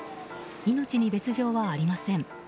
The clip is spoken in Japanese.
命に別条はありません。